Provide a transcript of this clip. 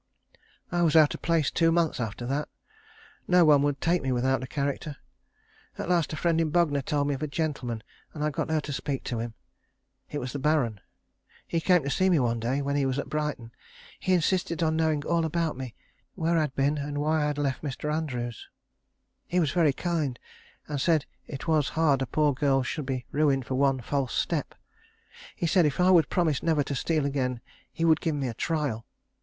I was out of place two months after that. No one would take me without a character. At last a friend at Bognor told me of a gentleman, and I got her to speak to him. It was the Baron. He came to see me one day when he was at Brighton. He insisted on knowing all about me where I had been and why I had left Mr. Andrews. He was very kind, and said it was hard a poor girl should be ruined for one false step. He said if I would promise never to steal again he would give me a trial.